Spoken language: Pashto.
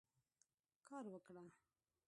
کار وکړه.